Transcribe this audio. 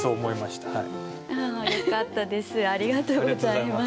よかったです。